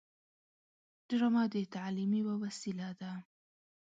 ډرامه د تعلیم یوه وسیله ده